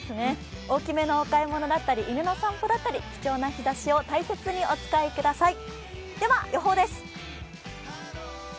大きめのお買い物だったり、犬のお散歩だったり、貴重な日ざしをお使いください。